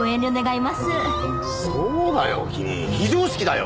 そうだよ君非常識だよ！